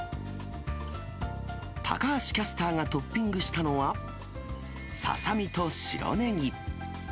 高橋キャスターがトッピングしたのは、ササミと白ネギ。